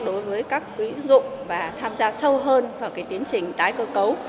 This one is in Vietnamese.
đối với các quỹ tiến dụng và tham gia sâu hơn vào cái tiến trình tái cơ cấu